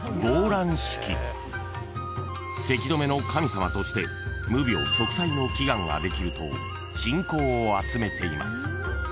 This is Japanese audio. ［咳止めの神様として無病息災の祈願ができると信仰を集めています］